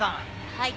はい。